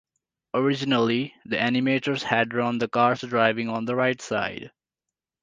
Originally, the animators had drawn the cars driving on the right side.